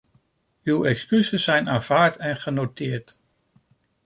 Uw excuses zijn aanvaard en genoteerd.